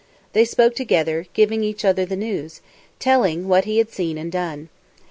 They spoke together, giving each other the news, each telling what he had seen and done.